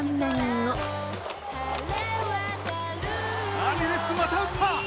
ラミレスまた打った。